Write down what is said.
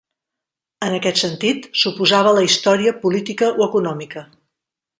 En aquest sentit, s'oposava a la història política o econòmica.